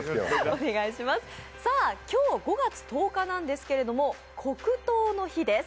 今日５月１０日なんですけれども黒糖の日なんです。